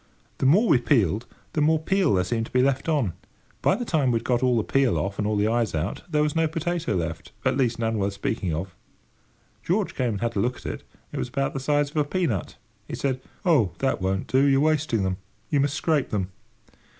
The more we peeled, the more peel there seemed to be left on; by the time we had got all the peel off and all the eyes out, there was no potato left—at least none worth speaking of. George came and had a look at it—it was about the size of a pea nut. He said: "Oh, that won't do! You're wasting them. You must scrape them."